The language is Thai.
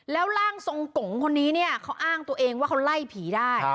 แล้วร่างทรงกงคนนี้เนี่ยเขาอ้างตัวเองว่าเขาไล่ผีได้